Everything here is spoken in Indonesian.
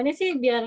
terus makin parah